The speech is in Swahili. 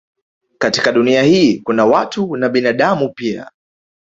Katika Dunia hii kuna watu na binadamu pia